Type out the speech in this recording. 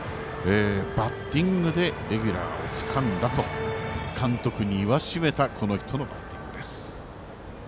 バッティングでレギュラーをつかんだと監督に言わしめたこの人のバッティングです。